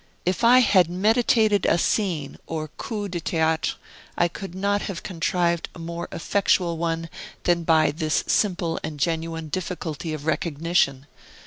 If I had meditated a scene or a coup de theatre, I could not have contrived a more effectual one than by this simple and genuine difficulty of recognition.